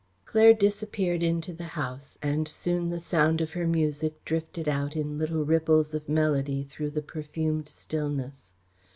Claire disappeared into the house and soon the sound of her music drifted out in little ripples of melody through the perfumed stillness.